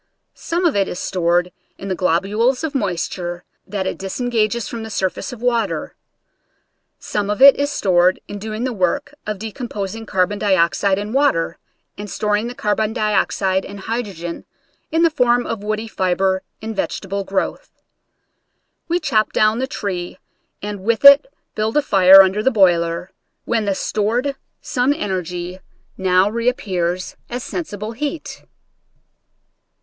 Some of it is stored in the globules of moisture that it disengages from the surface of water. Some of it is stored in doing the work of decomposing car bon dioxide and water, and storing the car bon and hydrogen in the form of woody fiber in vegetable growth. We chop down the tree and with it build a fire under the boiler, when the stored sun energy now reappears as sensi ble heat.